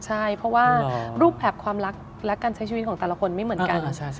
ใช่เพราะว่ารูปแบบความรักและการใช้ชีวิตของแต่ละคนไม่เหมือนกัน